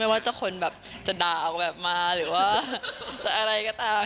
ไม่ว่าจะคนจะด่ามาหรืออะไรก็ตาม